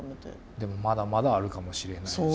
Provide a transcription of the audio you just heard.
でもまだまだあるかもしれないし。